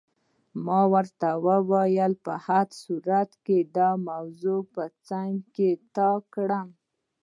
ما ورته وویل: په هر صورت دا موضوع به څنګ ته کړو.